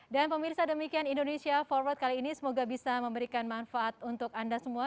dan pemirsa demikian indonesia forward kali ini semoga bisa memberikan manfaat untuk anda semua